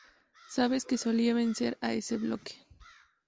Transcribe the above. Sabes que solía vencer a ese bloque.